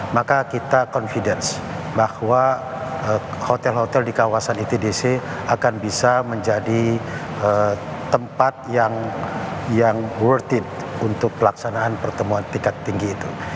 maka kita confidence bahwa hotel hotel di kawasan itdc akan bisa menjadi tempat yang worth it untuk pelaksanaan pertemuan tingkat tinggi itu